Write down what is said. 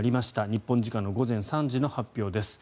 日本時間の午前３時の発表です。